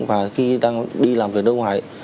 và khi đang đi làm việc nước ngoài